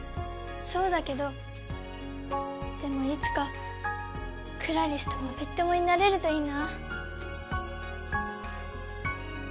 そうだけどでもいつかクラリスともビッ友になれるといいな。